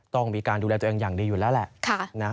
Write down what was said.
ต้องมีการดูแลตัวเองอย่างดีอยู่แล้วแหละ